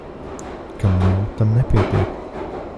Kam nav, tam nepietiek.